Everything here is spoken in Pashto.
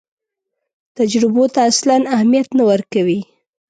تجربو ته اصلاً اهمیت نه ورکوي.